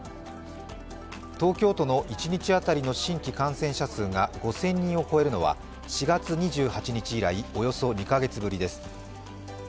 東京都の一日当たりの新規感染者数が５０００人を超えるのは４月２８日以来およそ２カ月ぶりです。